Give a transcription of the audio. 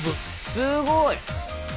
すごい！